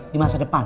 di masa depan